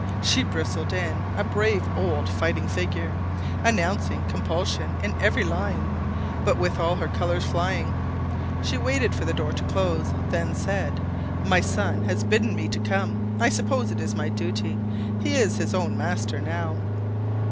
She bristled in, a brave old fighting figure, announcing compulsion in every line, but with all her colors flying. She waited for the door to close, then said, "My son has bidden me come, I suppose it is my duty: he is his own master now."